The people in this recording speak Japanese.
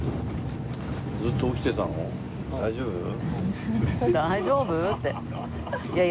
「大丈夫？」